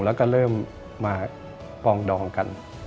แล้วก็เริ่มมาปองดองกัน